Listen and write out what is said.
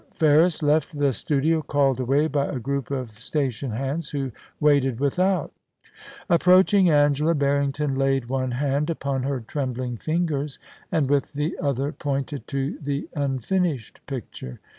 Ferris left the studio, called away by a group of station hands who waited without Approaching Angela, Harrington laid one hand up>on her trembling fingers, and with the other pointed to the unfinished picture.